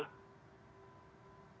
ini eventnya dipercaya